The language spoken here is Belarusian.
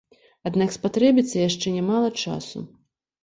Аднак спатрэбіцца яшчэ нямала часу.